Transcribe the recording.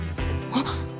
あっ！